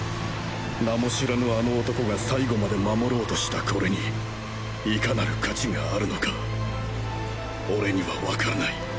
名も知らぬあの男が最期まで守ろうとしたコレに如何なる価値があるのか俺には分からない。